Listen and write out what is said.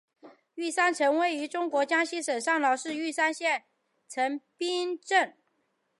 玉山城墙位于中国江西省上饶市玉山县县城冰溪镇。